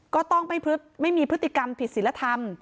ก็ต้องไม่มีพฤติกรรมผิดศิลธรรม